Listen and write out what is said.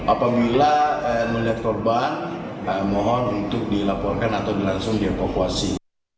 apabila melihat korban mohon untuk dilaporkan atau langsung dievakuasi